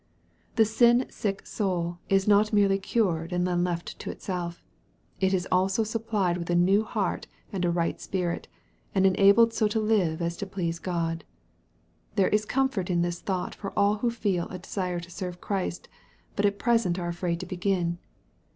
The sin sick soul is not merely cured, arid then left to itself. It is also supplied with a new heart and a right spirit, and enabled so to live as to please God. There is comfort in this thought for all who feel a desire to serve Christ, but at present are afraid to begin.